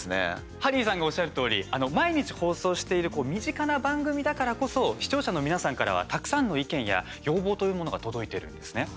ハリーさんがおっしゃるとおり毎日、放送している身近な番組だからこそ視聴者の皆さんからはたくさんの意見や要望というものが届いているんですね。